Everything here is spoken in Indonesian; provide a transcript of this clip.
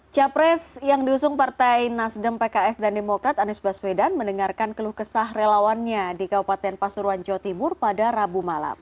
capres yang diusung partai nasdem pks dan demokrat anies baswedan mendengarkan keluh kesah relawannya di kabupaten pasuruan jawa timur pada rabu malam